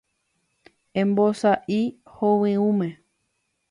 Embosa'y hovyũme.